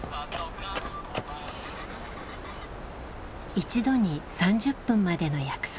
一度に３０分までの約束。